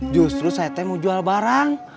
justru saya teh mau jual barang